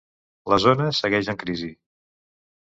La zona segueix en crisi.